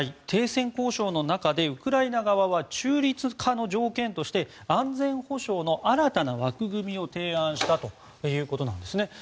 停戦交渉の中でウクライナ側は中立化の条件として安全保障の新たな枠組みを提案したということなんですね。